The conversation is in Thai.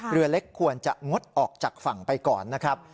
เรือเล็กควรจะงดออกจากฝั่งไปก่อนนะครับ